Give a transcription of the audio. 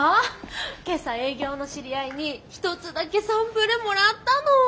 今朝営業の知り合いに１つだけサンプルもらったの。